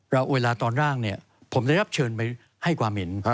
เราเวลาตอนร่างผมได้รับเชิญไปให้ความเห็น